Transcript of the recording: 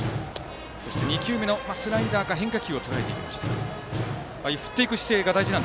そして２球目のスライダーか変化球をとらえていきました。